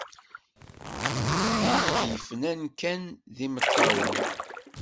I yi-d-yefnan kan d imeṭṭawen.